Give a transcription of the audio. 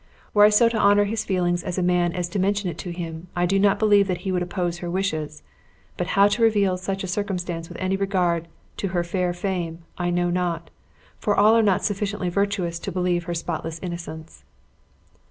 Were I so to honor his feelings as a man as to mention it to him, I do not believe that he would oppose her wishes; but how to reveal such a circumstance with any regard to her fair fame, I know not; for all are not sufficiently virtuous to believe her spotless innocence."